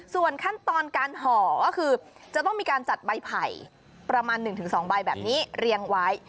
ส่วนขั้นตอนการห่อก็คือจะต้องมีการจัดใบไผ่ประมาณ๑๒ใบแบบนี้เรียงไว้